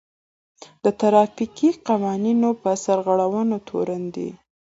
د ټرافيکي قوانينو په سرغړونه تورن دی.